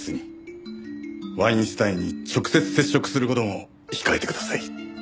ワインスタインに直接接触する事も控えてください。